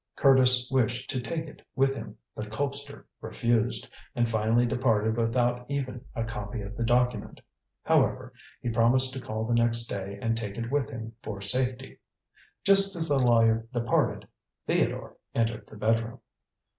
Curtis wished to take it with him, but Colpster refused, and finally departed without even a copy of the document. However, he promised to call the next day and take it with him for safety. Just as the lawyer departed, Theodore entered the bedroom.